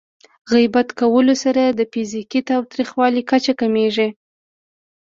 غیبت کولو سره د فزیکي تاوتریخوالي کچه کمېږي.